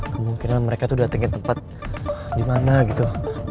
kemungkinan mereka tuh datengin tempat gimana gitu